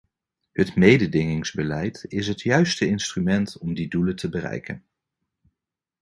Het mededingingsbeleid is het juiste instrument om die doelen te bereiken.